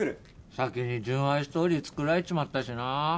先に純愛ストーリー作られちまったしな。